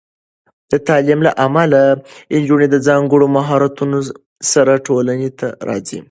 د تعلیم له امله، نجونې د ځانګړو مهارتونو سره ټولنې ته راځي.